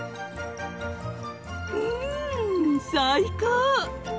うん最高！